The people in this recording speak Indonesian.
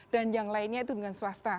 dan yang lainnya itu dengan swasta